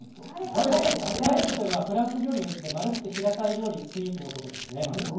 ガレットというのはフランス料理で丸くて平たい料理スイーツのことですね。